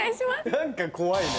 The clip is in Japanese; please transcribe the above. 何か怖いね。